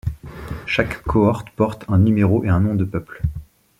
Chaque cohorte porte un numéro et un nom de peuple.